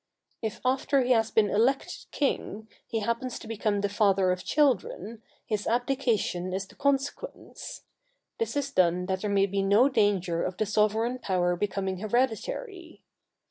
If after he has been elected king, he happens to become the father of children, his abdication is the consequence; this is done that there may be no danger of the sovereign power becoming hereditary.